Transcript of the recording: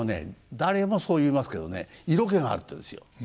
誰もそう言いますけどね色気があるって言うんですよ。